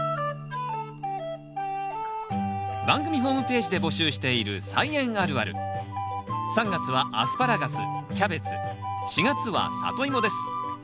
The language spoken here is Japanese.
番組ホームページで募集している３月は「アスパラガスキャベツ」４月は「サトイモ」です。